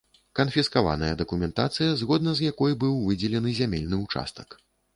Канфіскаваная дакументацыя, згодна з якой быў выдзелены зямельны ўчастак.